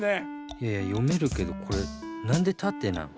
いやいやよめるけどこれなんでたてなん？